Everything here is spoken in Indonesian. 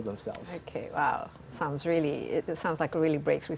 berdasarkan keinginan mereka sendiri